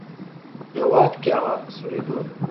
هیواد کې هوا په سړیدو ده